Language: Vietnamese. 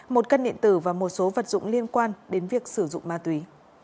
một cân điện tử và một số vật dụng liên quan đến việc sử dụng ma túy